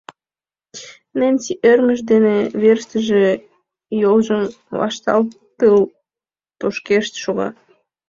Ненси ӧрмыж дене верыштыже йолжым вашталтыл тошкешт шога.